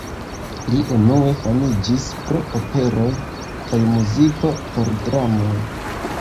Li unue famiĝis pro operoj kaj muziko por dramoj.